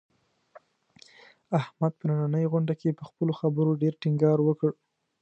احمد په نننۍ غونډه کې، په خپلو خبرو ډېر ټینګار وکړ.